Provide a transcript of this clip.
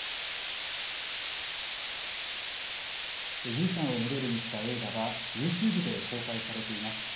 優生さんをモデルにした映画はＹｏｕＴｕｂｅで公開されています。